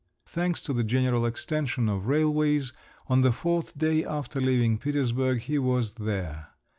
Thanks to the general extension of railways, on the fourth day after leaving Petersburg he was there.